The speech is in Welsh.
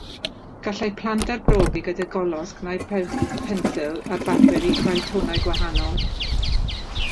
Gall plant arbrofi gyda golosg neu bensil ar bapur i greu tonau gwahanol